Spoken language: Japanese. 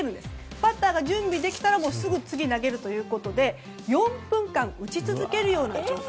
バッターが準備できたらすぐに次を投げるということで４分間、打ち続けるような状態。